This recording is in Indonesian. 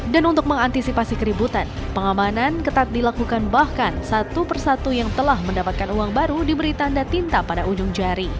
dan untuk mengantisipasi keributan pengamanan ketat dilakukan bahkan satu persatu yang telah mendapatkan uang baru diberi tanda tinta pada ujung jari